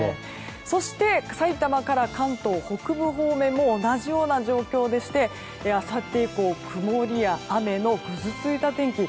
そして、さいたまから関東北部方面も同じような状況であさって以降曇りや雨のぐずついた天気。